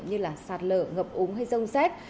như là sạt lở ngập úng hay rông xét